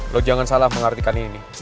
lo jangan salah mengartikan ini